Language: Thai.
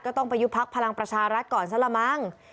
ต้องไปยุบพักพลังประชารัฐก่อนซะละมั้ง